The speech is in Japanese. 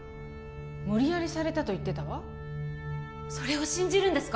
無理やりされたと言ってたわそれを信じるんですか？